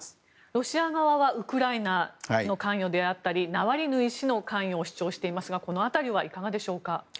ロシア側はウクライナの関与であったりナワリヌイ氏の関与を主張していますがこの辺りはいかがでしょうか。